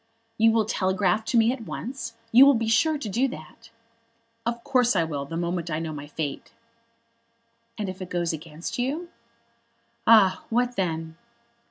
"You will telegraph to me at once? You will be sure to do that?" "Of course I will, the moment I know my fate." "And if it goes against you?" "Ah, what then?"